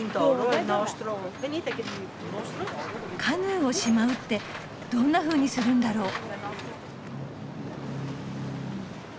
カヌーをしまうってどんなふうにするんだろ？